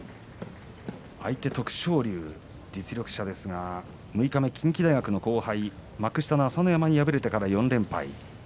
相手徳勝龍、実力者ですが六日目、近畿大学の後輩幕下の朝乃山に敗れてから４連敗。